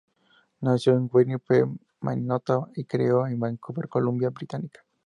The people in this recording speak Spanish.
Nació en Winnipeg, Manitoba y se crió en Vancouver, Columbia Británica.